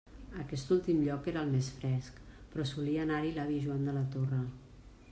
Aquest últim lloc era el més fresc, però solia anar-hi l'avi Joan de la Torre.